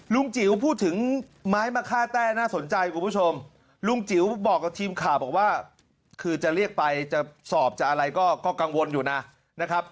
จิ๋วพูดถึงไม้มะค่าแต้น่าสนใจคุณผู้ชมลุงจิ๋วบอกกับทีมข่าวบอกว่าคือจะเรียกไปจะสอบจะอะไรก็กังวลอยู่นะนะครับ